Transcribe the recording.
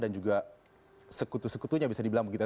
dan juga sekutu sekutunya bisa dibilang begitu